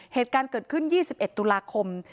เหตุการณ์เกิดขึ้น๒๑ตุลาคม